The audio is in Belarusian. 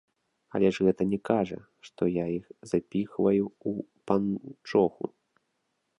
Але ж гэта не кажа, што я іх запіхваю ў панчоху.